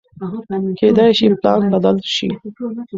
کېدای شي پلان بدل شي.